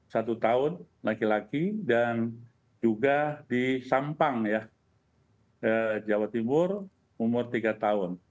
satu tahun laki laki dan juga di sampang ya jawa timur umur tiga tahun